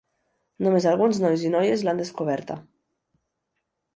Només alguns nois i noies l'han descoberta.